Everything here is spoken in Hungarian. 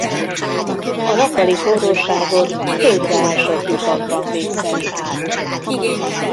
A nappali forróságot földbe ásott lyukakban vészeli át.